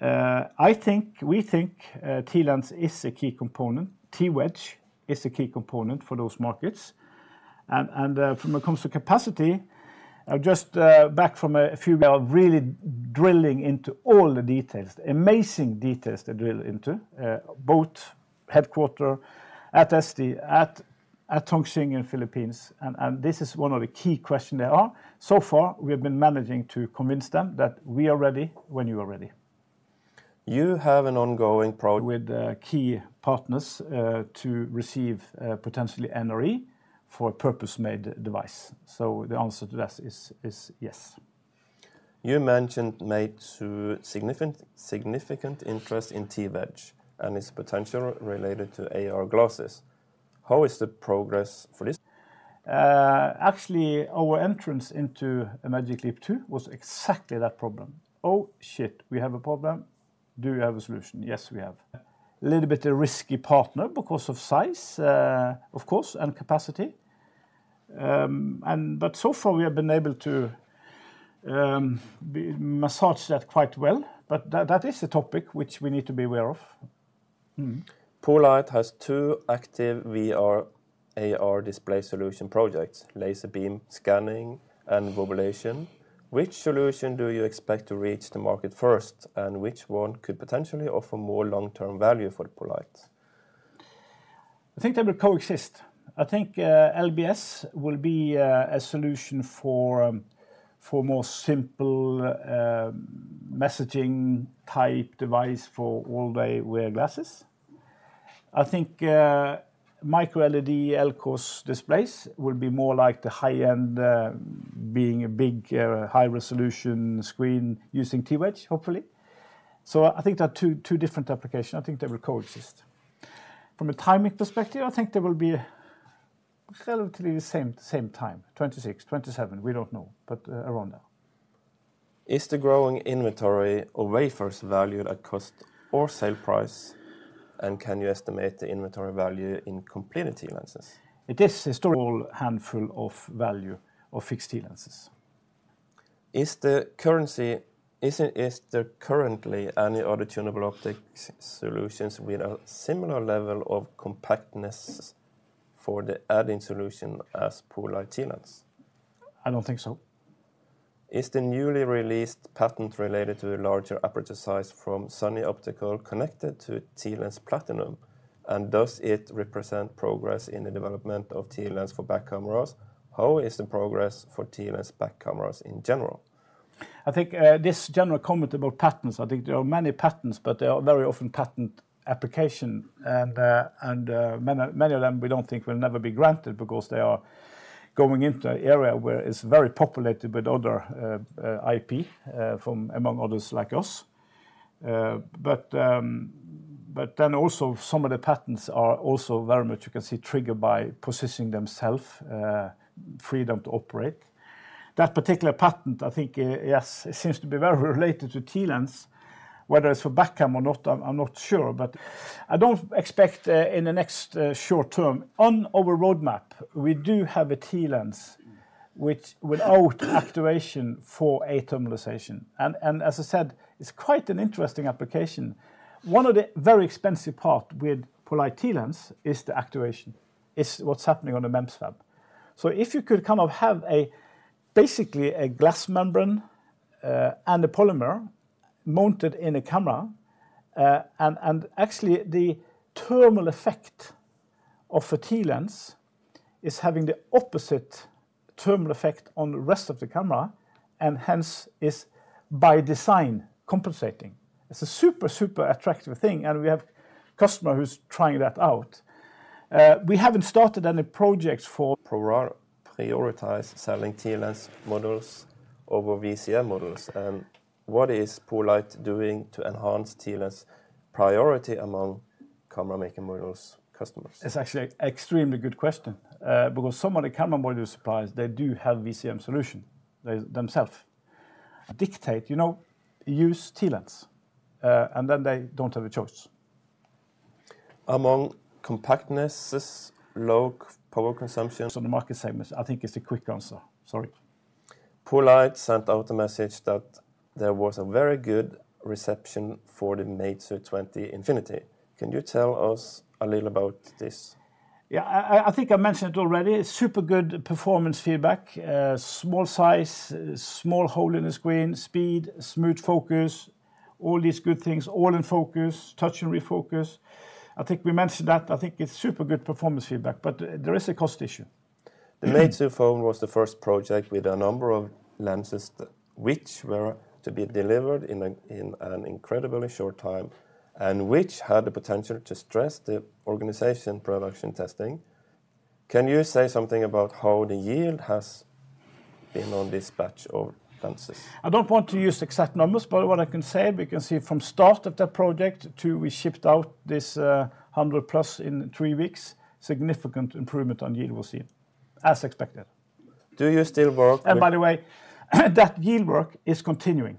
I think, we think, TLens is a key component. TWedge is a key component for those markets. And, and, when it comes to capacity, I'm just back from a few— we are really drilling into all the details, amazing details to drill into, both headquarters at ST, at, at Tong Hsing in Philippines, and, and this is one of the key question there are. So far, we have been managing to convince them that we are ready when you are ready. You have an ongoing pro- With key partners to receive potentially NRE for a purpose-made device. So the answer to that is yes. You mentioned Meizu, too, significant interest in TWedge and its potential related to AR glasses. How is the progress for this? Actually, our entrance into Magic Leap 2 was exactly that problem. "Oh, shit, we have a problem. Do you have a solution?" "Yes, we have." A little bit a risky partner because of size, of course, and capacity. And but so far we have been able to massage that quite well, but that, that is a topic which we need to be aware of. Mm-hmm. poLight has two active VR, AR display solution projects, laser beam scanning and Wobulation. Which solution do you expect to reach the market first, and which one could potentially offer more long-term value for poLight? I think they will coexist. I think, LBS will be, a solution for, for more simple, messaging-type device for all-day wear glasses. I think, MicroLED LCOS displays will be more like the high-end, being a big, high-resolution screen using TWedge, hopefully. So I think there are two, two different application. I think they will coexist. From a timing perspective, I think they will be relatively the same, same time, 2026, 2027, we don't know, but, around there. Is the growing inventory of wafers valued at cost or sale price? Can you estimate the inventory value in completed TLenses? It is historically a handful of value of fixed TLenses. Is there currently any other tunable optics solutions with a similar level of compactness for the adding solution as poLight TLens? I don't think so. Is the newly released patent related to a larger aperture size from Sunny Optical connected to TLens Platinum? And does it represent progress in the development of TLens for back cameras? How is the progress for TLens back cameras in general? I think, this general comment about patents, I think there are many patents, but they are very often patent application, and, and, many, many of them we don't think will never be granted because they are going into an area where it's very populated with other, IP, from among others like us. But then also some of the patents are also very much, you can see, triggered by positioning themself, freedom to operate. That particular patent, I think, yes, it seems to be very related to TLens. Whether it's for back cam or not, I'm not sure, but I don't expect in the next short term. On our roadmap, we do have a TLens without actuation for a thermalization. And as I said, it's quite an interesting application. One of the very expensive part with poLight TLens is the actuation. It's what's happening on the MEMS fab. So if you could kind of have a basically a glass membrane and a polymer mounted in a camera and actually the thermal effect of a TLens is having the opposite thermal effect on the rest of the camera, and hence is by design compensating. It's a super super attractive thing, and we have customer who's trying that out. We haven't started any projects for- Prioritize selling TLens modules over VCM modules. What is poLight doing to enhance TLens priority among camera module customers? It's actually extremely good question, because some of the camera module suppliers, they do have VCM solution, they themselves dictate, you know, use TLens, and then they don't have a choice. Among compactness, low power consumption- The market segments, I think is the quick answer. Sorry. poLight sent out a message that there was a very good reception for the Meizu 20 Infinity. Can you tell us a little about this? Yeah, I think I mentioned it already. Super good performance feedback, small size, small hole in the screen, speed, smooth focus, all these good things, all in focus, touch and refocus. I think we mentioned that. I think it's super good performance feedback, but there is a cost issue. The Meizu 20 Infinity was the first project with a number of lenses that which were to be delivered in an incredibly short time, and which had the potential to stress the organization production testing. Can you say something about how the yield has been on this batch of lenses? I don't want to use exact numbers, but what I can say, we can see from start of that project to we shipped out this 100 plus in three weeks, significant improvement on yield we've seen, as expected. Do you still work with- And by the way, that yield work is continuing...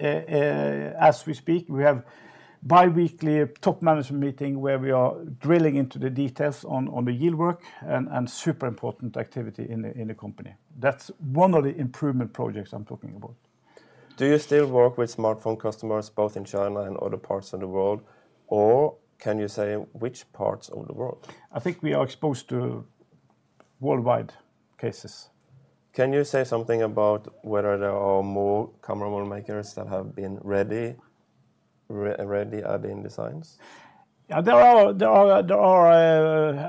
as we speak, we have bi-weekly top management meeting where we are drilling into the details on the yield work, and super important activity in the company. That's one of the improvement projects I'm talking about. Do you still work with smartphone customers, both in China and other parts of the world? Or can you say which parts of the world? I think we are exposed to worldwide cases. Can you say something about whether there are more camera module makers that have been ready or are ready in designs? Yeah, there are,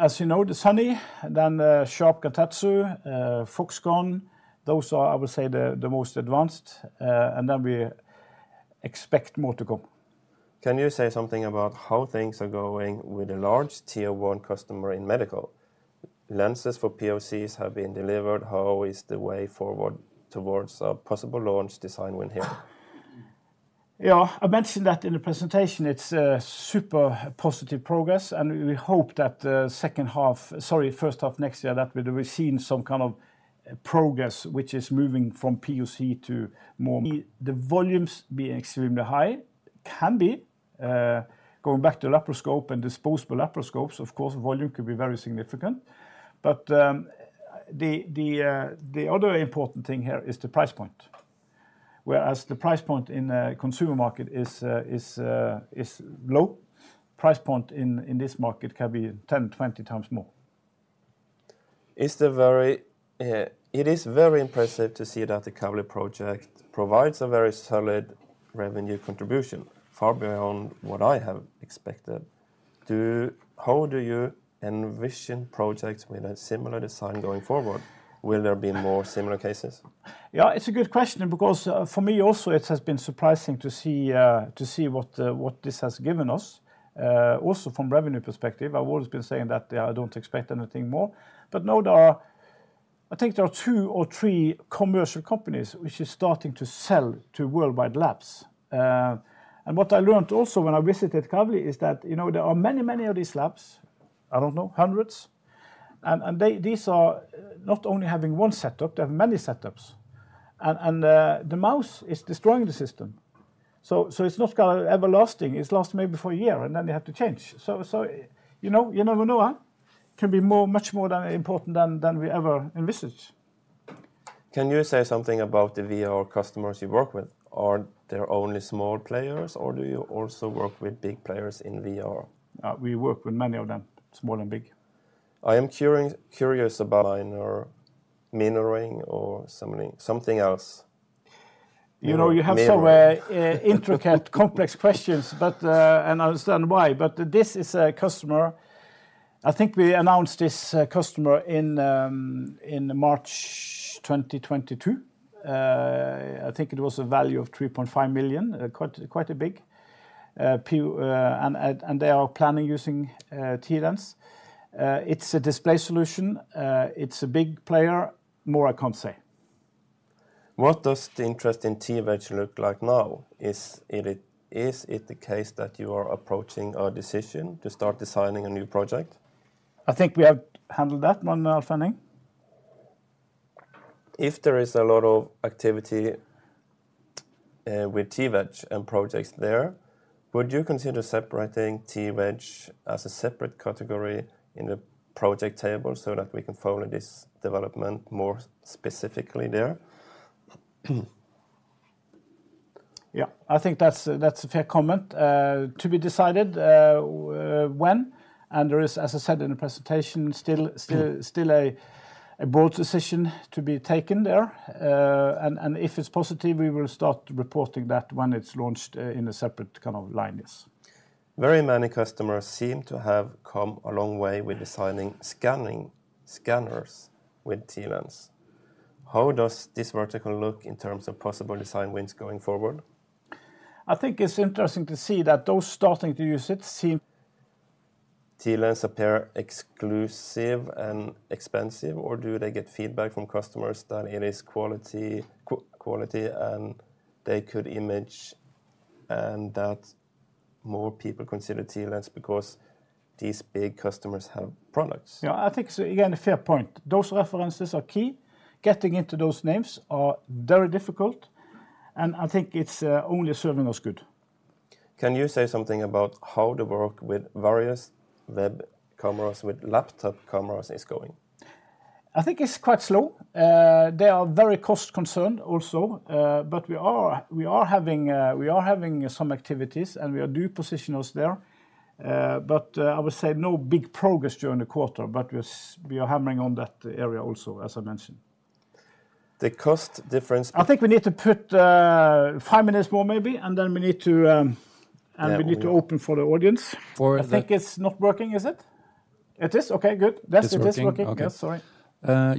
as you know, the Sunny, then the Sharp-Kantatsu, Foxconn. Those are, I would say, the most advanced, and then we expect more to come. Can you say something about how things are going with the large tier one customer in medical? Lenses for PoCs have been delivered, how is the way forward towards a possible launch design win here? Yeah, I mentioned that in the presentation. It's a super positive progress, and we hope that the second half... Sorry, first half next year, that we'll be seeing some kind of progress, which is moving from PoC to more- The volumes being extremely high can be, going back to laparoscope and disposable laparoscopes, of course, volume could be very significant. But, the other important thing here is the price point. Whereas the price point in a consumer market is low, price point in this market can be 10, 20 times more. It is very impressive to see that the Kavli project provides a very solid revenue contribution, far beyond what I have expected. How do you envision projects with a similar design going forward? Will there be more similar cases? Yeah, it's a good question because, for me also, it has been surprising to see, to see what this has given us. Also from revenue perspective, I've always been saying that I don't expect anything more. But now there are, I think there are two or three commercial companies which is starting to sell to worldwide labs. And what I learned also when I visited Kavli is that, you know, there are many, many of these labs, I don't know, hundreds, and they-- these are not only having one setup, they have many setups. And, the mouse is destroying the system. So, it's not gonna everlasting. It's last maybe for a year, and then they have to change. So, you know, you never know, huh? Can be more, much more than important than we ever envisaged. Can you say something about the VR customers you work with? Are there only small players, or do you also work with big players in VR? We work with many of them, small and big. I am very curious about minor mirroring or something else. You know- Mirroring.... you have some, intricate, complex questions, but, and I understand why, but this is a customer. I think we announced this customer in March 2022. I think it was a value of 3.5 million, quite, quite a big. And they are planning using TLens. It's a display solution. It's a big player. More I can't say. What does the interest in TWedge look like now? Is it the case that you are approaching a decision to start designing a new project? I think we have handled that one, Alf Henning. If there is a lot of activity, with TWedge and projects there, would you consider separating TWedge as a separate category in the project table so that we can follow this development more specifically there? Yeah, I think that's a fair comment. To be decided when, and there is, as I said in the presentation, still a broad decision to be taken there. And if it's positive, we will start reporting that when it's launched in a separate kind of line, yes. Very many customers seem to have come a long way with designing scanners with TLens. How does this vertical look in terms of possible design wins going forward? I think it's interesting to see that those starting to use it seem- TLens appear exclusive and expensive, or do they get feedback from customers that it is quality, and they could imagine, and that more people consider TLens because these big customers have products? Yeah, I think it's, again, a fair point. Those references are key. Getting into those names are very difficult, and I think it's only serving us good. Can you say something about how the work with various web cameras, with laptop cameras is going? I think it's quite slow. They are very cost-conscious also, but we are having some activities, and we are positioning ourselves there. But I would say no big progress during the quarter, but we are hammering on that area also, as I mentioned. The cost difference- I think we need to put five minutes more maybe, and then we need to. Yeah, we- We need to open for the audience. For the- I think it's not working, is it? It is? Okay, good. It's working. Yes, it is working. Okay. Yes, sorry.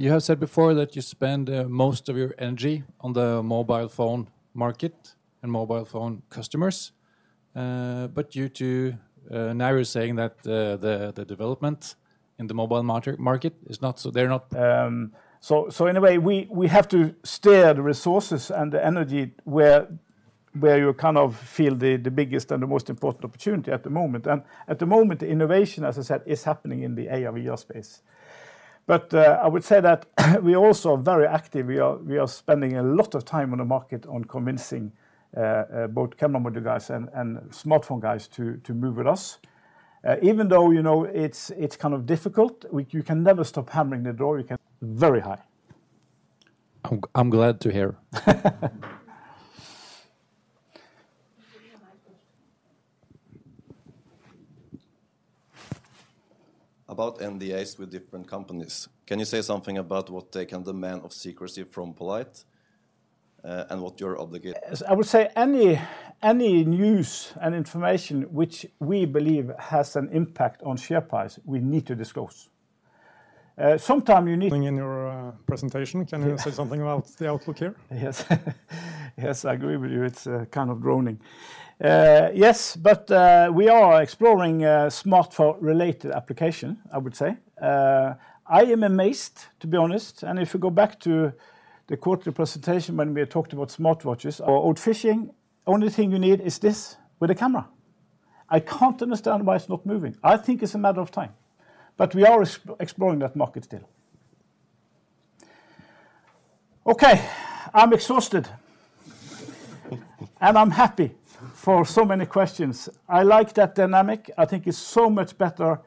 You have said before that you spend most of your energy on the mobile phone market and mobile phone customers, but due to now you're saying that the development in the mobile market is not so—they're not- In a way, we have to steer the resources and the energy where you kind of feel the biggest and the most important opportunity at the moment. And at the moment, the innovation, as I said, is happening in the AR/VR space. But I would say that we also are very active. We are spending a lot of time on the market on convincing both camera module guys and smartphone guys to move with us. Even though, you know, it's kind of difficult, we—you can never stop hammering the door, you can—very high. I'm glad to hear. About NDAs with different companies, can you say something about what they can demand of secrecy from poLight, and what your obligation- I would say any, any news and information which we believe has an impact on share price, we need to disclose. Sometimes you need- In your presentation. Can you say something about the outlook here? Yes. Yes, I agree with you. It's kind of droning. Yes, but we are exploring smartphone-related application, I would say. I am amazed, to be honest, and if you go back to the quarterly presentation when we talked about smartwatches or out fishing, only thing you need is this with a camera. I can't understand why it's not moving. I think it's a matter of time, but we are exploring that market still. Okay, I'm exhausted. And I'm happy for so many questions. I like that dynamic. I think it's so much better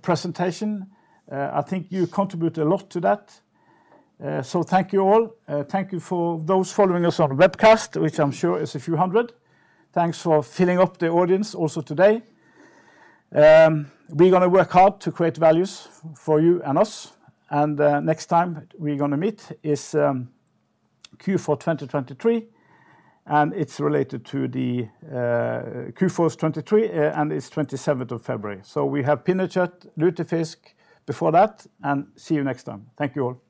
presentation. I think you contribute a lot to that. So thank you all. Thank you for those following us on the webcast, which I'm sure is a few hundred. Thanks for filling up the audience also today. We're gonna work hard to create values for you and us, and next time we're gonna meet is Q4 2023, and it's related to the Q4 2023, and it's 27th of February. So we have Pinnekjøtt, lutefisk before that, and see you next time. Thank you all.